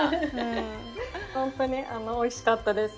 本当においしかったです。